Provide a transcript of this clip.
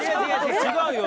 違うよ。